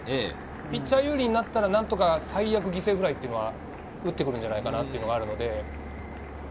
ピッチャー有利になったら最悪犠牲フライは打ってくるんじゃないかなというのはあるので。